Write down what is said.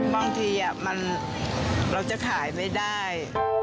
บางทีเราจะขายไม่ได้